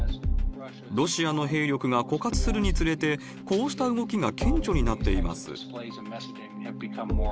ロシアの兵力が枯渇するにつれて、こうした動きが顕著になっています。